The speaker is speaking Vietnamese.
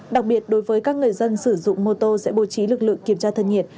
đặc biệt đối với các người dân sử dụng mô tô sẽ bố trí lực lượng kiểm tra thân nhiệt